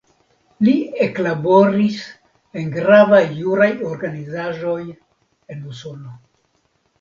Li eklaboris en gravaj juraj organizaĵoj en Usono.